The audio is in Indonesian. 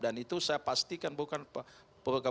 dan itu saya pastikan bukan keputusan awal